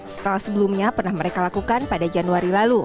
setelah sebelumnya pernah mereka lakukan pada januari lalu